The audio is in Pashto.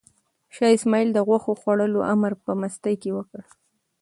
شاه اسماعیل د غوښو خوړلو امر په مستۍ کې ورکړ.